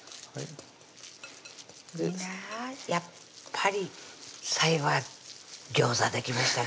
やっぱり最後はギョーザできましたね